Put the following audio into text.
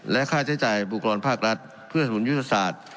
และค่าใช้จ่ายบุคกรภาครัฐเพื่อสนุนยุทธศาสตร์